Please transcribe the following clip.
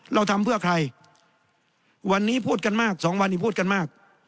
เราทำเพื่อใครวันนี้พูดกันมากสองวันนี้พูดกันมาก